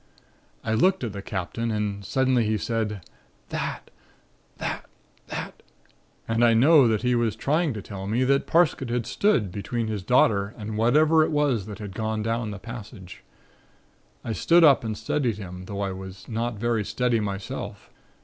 "I looked at the Captain and suddenly he said: "'That That That ' and I know that he was trying to tell me that Parsket had stood between his daughter and whatever it was that had gone down the passage. I stood up and steadied him, though I was not very steady myself.